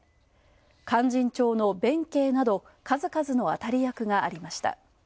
「勧進帳」の弁慶など数々の当たり役がありました。